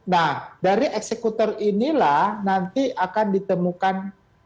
nah dari eksekutor inilah nanti akan ditemukan